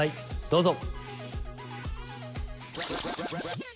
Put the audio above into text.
どうぞ。